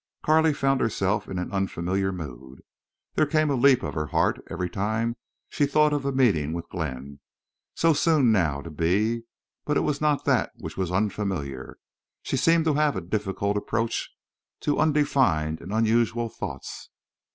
Carley found herself in an unfamiliar mood. There came a leap of her heart every time she thought of the meeting with Glenn, so soon now to be, but it was not that which was unfamiliar. She seemed to have a difficult approach to undefined and unusual thoughts.